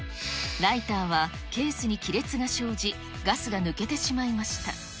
ライターはケースに亀裂が生じ、ガスが抜けてしまいました。